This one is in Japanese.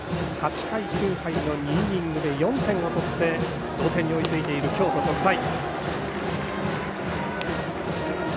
８回、９回の２イニングで４点を取って同点に追いついている京都国際。